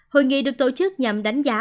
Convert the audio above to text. hội nghị được tổ chức nhằm đánh giá